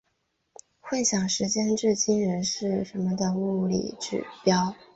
混响时间至今仍是厅堂音质评价首选的物理指标。